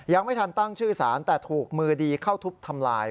ยังไม่ทันตั้งชื่อสารแต่ถูกมือดีเข้าทุบทำลาย